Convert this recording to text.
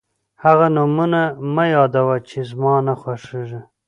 هغه نومونه مه یادوه چې زما نه خوښېږي.